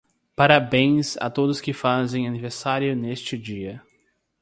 Parabéns a todos que fazem aniversário neste dia.